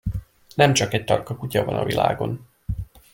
Nemcsak egy tarka kutya van a világon.